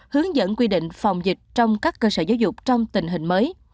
hướng dẫn quy định phòng dịch trong các cơ sở giáo dục trong tình hình mới